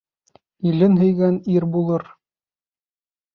Илен һөйгән ир булыр.